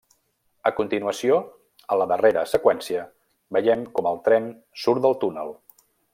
A continuació, a la darrera seqüència, veiem com el tren surt del túnel.